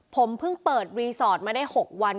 ผมเพิ่งเปิดรีสอร์ทมาได้๖วัน